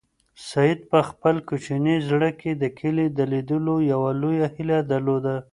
سعید په خپل کوچني زړه کې د کلي د لیدلو یوه لویه هیله درلوده.